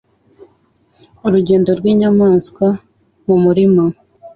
Urugendo rwinyamanswa mu murima